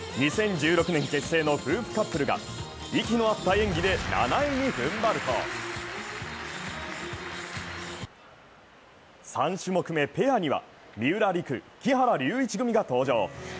２０１６年結成の夫婦カップルが息の合った演技で７位に踏ん張ると３種目め、ペアには三浦璃来・木原龍一組が登場。